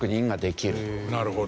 なるほど。